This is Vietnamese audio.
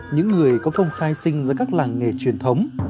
những người có công khai sinh giữa các làng nghề truyền thống